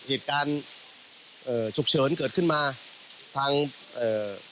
เหตุการณ์เอ่อฉุกเฉินเกิดขึ้นมาทางเอ่อ